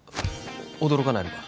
驚かないのか？